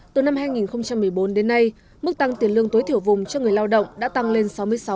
từ năm hai nghìn một mươi bốn đến nay mức tăng tiền lương tối thiểu vùng cho người lao động đã tăng lên sáu mươi sáu